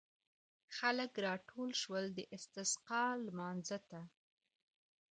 خلک راټول شول د استسقا لمانځه ته.